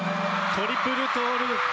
トリプルトウループ。